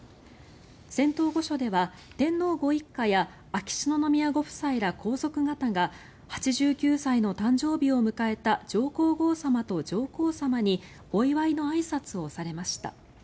仙洞御所では天皇ご一家や秋篠宮ご夫妻ら皇族方が８９歳の誕生日を迎えた上皇后さまと、上皇さまにお祝いのあいさつをされました。